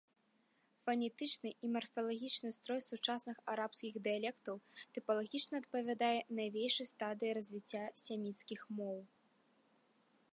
Фанетычны і марфалагічны строй сучасных арабскіх дыялектаў тыпалагічна адпавядае навейшай стадыі развіцця семіцкіх моў.